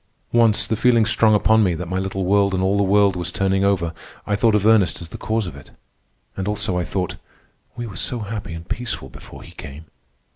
Once, the feeling strong upon me that my little world and all the world was turning over, I thought of Ernest as the cause of it; and also I thought, "We were so happy and peaceful before he came!"